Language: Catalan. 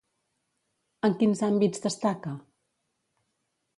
En quins àmbits destaca?